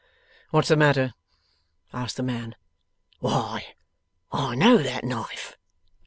'What's the matter?' asked the man. 'Why, I know that knife!